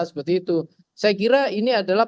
seperti itu saya kira ini adalah